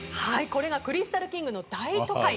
これがクリスタルキングの大都会。